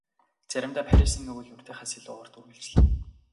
Заримдаа Парисын өвөл урьдынхаас илүү урт үргэлжилнэ.